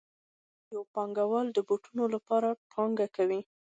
فرض کړئ یو پانګوال د بوټانو لپاره پانګونه کوي